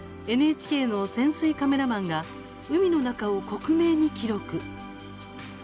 ＮＨＫの潜水カメラマンが海の中を克明に記録。